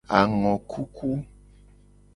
Angokuku.